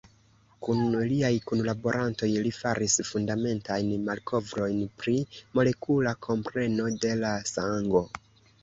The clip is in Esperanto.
Kun liaj kunlaborantoj li faris fundamentajn malkovrojn pri molekula kompreno de la sango.